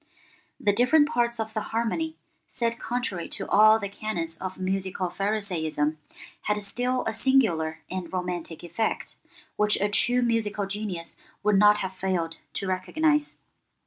The different parts of the harmony, set contrary to all the canons of musical pharisaism, had still a singular and romantic effect, which a true musical genius would not have failed to recognize.